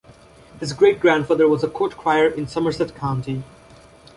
His great-grandfather was a court crier in Somerset County.